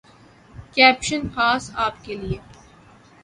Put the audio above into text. caption خاص آپ کے لیے